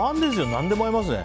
何でも合いますね。